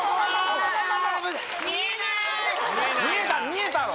見えたろ？